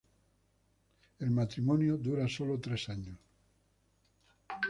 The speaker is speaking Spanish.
El matrimonio dura sólo tres años.